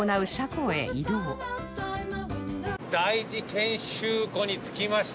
第一検修庫に着きました。